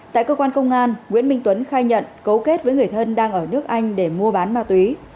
tại cơ quan công an nguyễn minh tuấn khai nhận cấu kết với người thân đang ở nước anh để mua bán ma túy